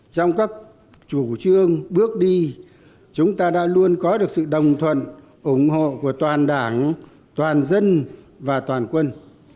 trong các chủ trương bước đi chúng ta đã luôn có được sự đồng thuận ủng hộ của toàn đảng toàn dân và toàn quân